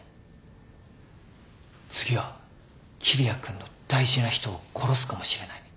次は桐矢君の大事な人を殺すかもしれない。